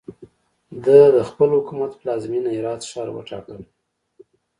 ده د خپل حکومت پلازمینه هرات ښار وټاکله.